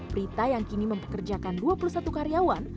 prita yang kini mempekerjakan dua puluh satu karyawan